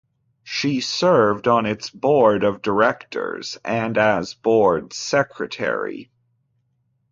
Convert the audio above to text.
She served on its board of directors and as board secretary.